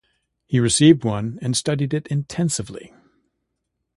He received one and studied it intensively.